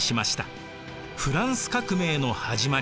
フランス革命の始まりです。